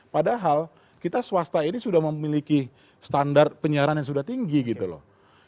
padahal kita swasta ini sudah memiliki standar penyiaran yang sudah tinggi gitu loh